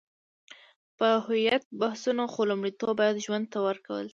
په هویت بحثونه، خو لومړیتوب باید ژوند ته ورکړل شي.